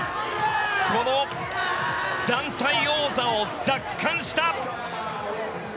この団体王座を奪還した。